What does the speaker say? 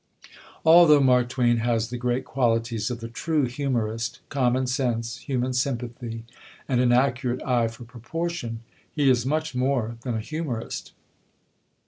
Although Mark Twain has the great qualities of the true humorist common sense, human sympathy, and an accurate eye for proportion he is much more than a humorist.